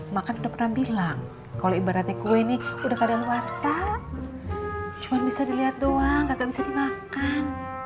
mak kan udah pernah bilang kalau ibaratnya kue ini udah kadaluarsa cuman bisa dilihat doang gak bisa dimakan